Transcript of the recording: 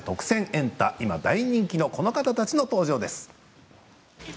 エンタ」、今大人気のこの方たちの登場です。